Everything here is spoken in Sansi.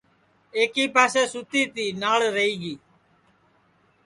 ایکی پاسے سُتی تی ناݪ رہی گی